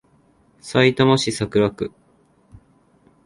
さいたま市桜区